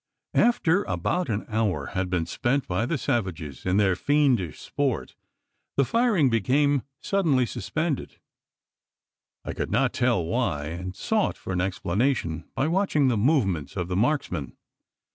After about an hour had been spent by the savages in their fiendish sport, the firing became suddenly suspended. I could not tell why; and sought for an explanation by watching the movements of the marksmen.